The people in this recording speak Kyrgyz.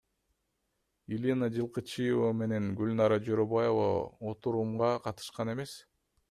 Елена Жылкычыева менен Гүлнара Жоробаева отурумга катышкан эмес.